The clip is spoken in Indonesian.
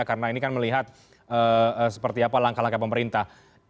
karena ini kan melihat seperti apa langkah langkah pemerintah